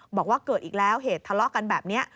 บอกว่าเกิดอีกแล้วเหตุทะเลาะกันแบบนี้